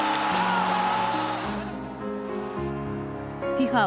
ＦＩＦＡ